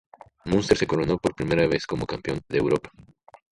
Munster se coronó por primera vez como Campeón de Europa.